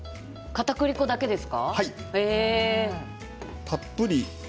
かたくり粉だけです。